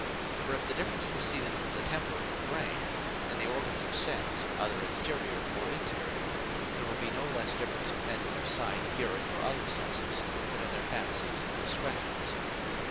For if the difference proceeded from the temper of the brain, and the organs of Sense, either exterior or interior, there would be no lesse difference of men in their Sight, Hearing, or other Senses, than in their Fancies, and Discretions.